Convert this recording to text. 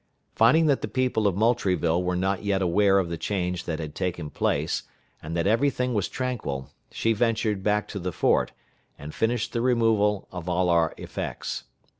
Finding that the people of Moultrieville were not yet aware of the change that had taken place, and that every thing was tranquil, she ventured back to the fort, and finished the removal of all our effects.